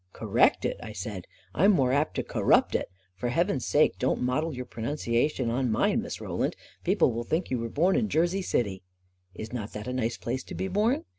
44 Correct it !" I said. 4i I'm more apt to corrupt itl For heaven's sake, don't model your pro 62 A KING IN BABYLON nunciation on mine, Miss Roland ! People will think you were born in Jersey City I "" Is not that a nice place to be bora?